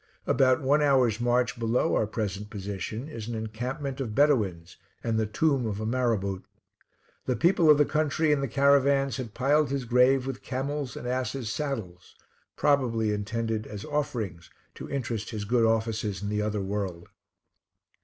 About one hour's march below our present position is an encampment of Bedouins and the tomb of a Marabout. The people of the country and the caravans had piled his grave with camels' and asses saddles, probably intended as offerings to interest his good offices in the other world.